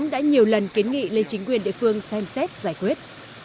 người dân cũng đã nhiều lần kiến nghị lên chính quyền địa phương xem xét giải quyết